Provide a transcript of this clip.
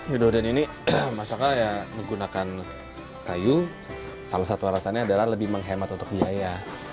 widodo dan ini masuk akal ya menggunakan kayu salah satu alasannya adalah lebih menghemat untuk biaya